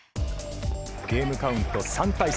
ゲームカウント３対３。